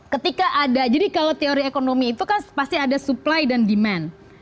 ketika ada jadi kalau teori ekonomi itu kan pasti ada supply dan demand